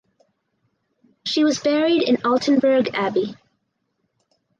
She was buried in Altenberg Abbey.